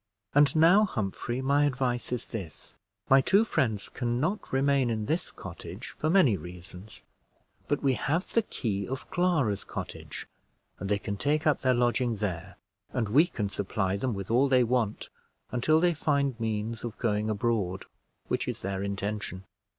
"And now, Humphrey, my advice is this. My two friends can not remain in this cottage, for many reasons; but we have the key of Clara's cottage, and they can take up their lodging there, and we can supply them with all they want, until they find means of going abroad, which is their intention.